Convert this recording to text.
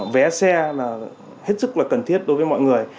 vé xe là hết sức là cần thiết đối với mọi người